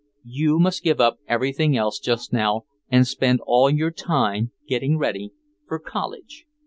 You must give up everything else just now and spend all your time getting ready for college.